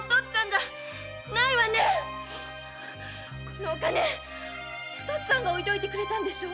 このお金おとっつぁんが置いといてくれたんでしょ？